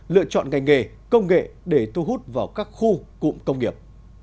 lựa chọn ngành nghề công nghệ để thu hút vào các khu cụm công nghiệp